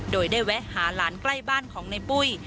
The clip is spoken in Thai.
โดยได้แวะหาหลานใกล้บ้านของในปุ้ย